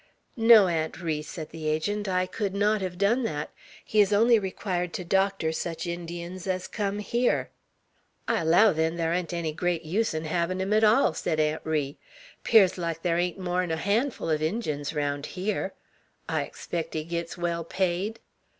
"No, Aunt Ri," said the Agent; "I could not have done that; he is only required to doctor such Indians as come here." "I allow, then, thar ain't any gret use en hevin' him at all," said Aunt Ri; "'pears like thar ain't more'n a harndful uv Injuns raound here. I expect he gits well paid?"